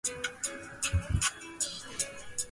其余各人亦被裁定有相关罪行而获刑。